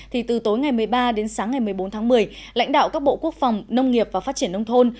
thì từ tối ngày một mươi ba đến sáng ngày một mươi bốn tháng một mươi lãnh đạo các bộ quốc phòng nông nghiệp và phát triển nông thôn